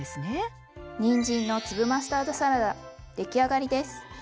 にんじんの粒マスタードサラダ出来上がりです。